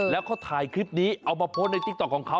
แล้วเขาถ่ายคลิปนี้เอามาโพสต์ในติ๊กต๊อของเขา